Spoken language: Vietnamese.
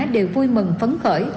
đều vui mừng phấn khởi